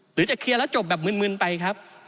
หรือจะเคลียร์แล้วจบแบบมึนไปครับ